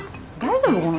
大丈夫？